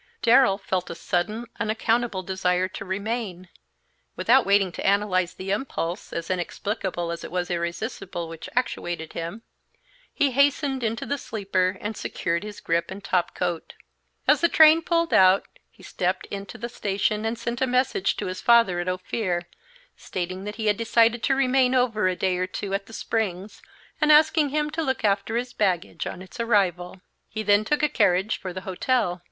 Darrell felt a sudden, unaccountable desire to remain. Without waiting to analyze the impulse, as inexplicable as it was irresistible, which actuated him, he hastened into the sleeper and secured his grip and top coat. As the train pulled out he stepped into the station and sent a message to his father at Ophir, stating that he had decided to remain over a day or two at the Springs and asking him to look after his baggage on its arrival. He then took a carriage for the hotel.